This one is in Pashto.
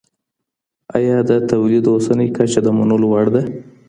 ایا د تولید اوسنۍ کچه د منلو وړ ده؟